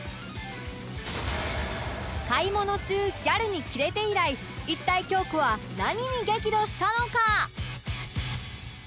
買い物中ギャルにキレて以来一体京子は何に激怒したのか！？